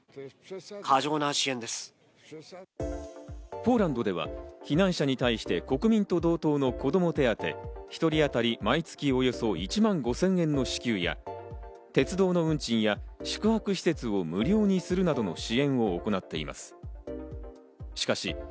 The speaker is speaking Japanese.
ポーランドでは避難者に対して国民と同等の子ども手当、１人あたり毎月およそ１万５０００円の支給や、鉄道の運賃や宿泊施設を無料にするなどの支援を行っています。